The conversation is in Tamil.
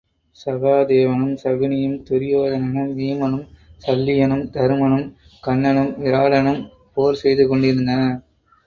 சகாதேவனும் சகுனியும், துரியோதனனும் வீமனும், சல்லியனும் தருமனும், கன்னனும் விராடனும் போர் செய்து கொண்டிருந்தனர்.